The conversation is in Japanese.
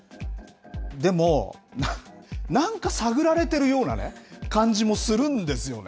でも、なんか探られてるようなね、感じもするんですよね。